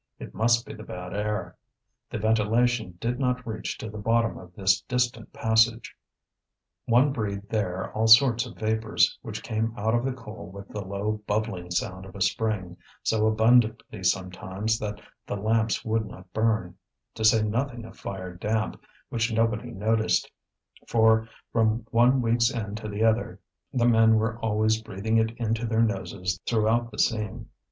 It must be the bad air. The ventilation did not reach to the bottom of this distant passage. One breathed there all sorts of vapours, which came out of the coal with the low bubbling sound of a spring, so abundantly sometimes that the lamps would not burn; to say nothing of fire damp, which nobody noticed, for from one week's end to the other the men were always breathing it into their noses throughout the seam.